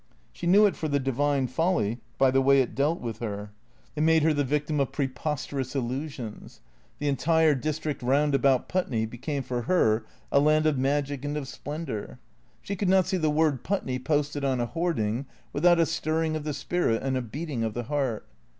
She knew it for the divine folly by the way it dealt with her. 271 272 THECEEATORS It made her the victim of preposterous illusions. The entire district round about Putney became for her a land of magic and of splendour. She could not see the word Putney posted on a hoarding without a stirring of the spirit and a beating of the heart.